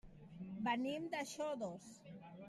Venim de Xodos.